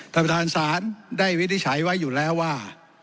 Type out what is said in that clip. ธรรมทางสารได้วิทย์ใช้ไว้อยู่แล้วว่า